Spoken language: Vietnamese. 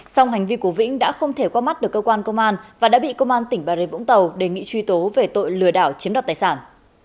song hành vi của vĩnh đã không thể qua mắt được cơ quan công an và đã bị công an tỉnh bà rịa vũng tàu đề nghị truy tố về tội lừa đảo chiếm đoạt tài sản